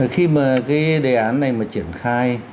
khi mà cái đề án này mà triển khai